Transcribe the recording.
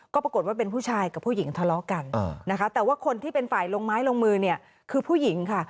ก็ปรากฏว่าเป็นผู้ชายกับผู้หญิงทะเลาะกันนะคะแต่ว่าคนที่เป็นฝ่ายลงไม้ลงมือเนี่ยคือผู้หญิงค่ะ